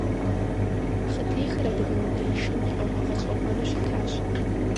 Хъытехыр адыгэ унэишэм и пкъыгъуэ гъэщӀэгъуэну щытащ.